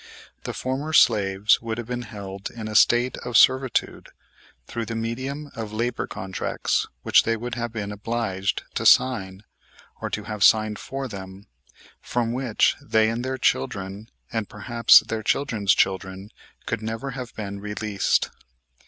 The former slaves would have been held in a state of servitude through the medium of labor contracts which they would have been obliged to sign, or to have signed for them, from which they, and their children, and, perhaps, their children's children could never have been released.